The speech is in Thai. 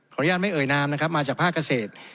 อนุญาตไม่เอ่ยนามนะครับมาจากภาคเกษตร